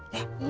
sini bapak ya